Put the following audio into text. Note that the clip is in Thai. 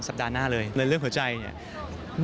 สัปดาห์หน้าเลยเรื่องหัวใจเนี้ย